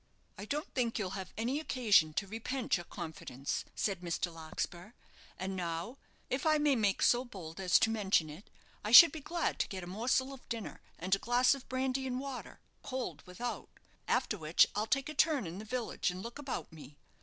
"I don't think you'll have any occasion to repent your confidence," said Mr. Larkspur. "And now, if I may make so bold as to mention it, I should be glad to get a morsel of dinner, and a glass of brandy and water, cold without; after which I'll take a turn in the village and look about me.